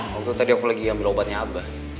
waktu tadi aku lagi ambil obatnya apa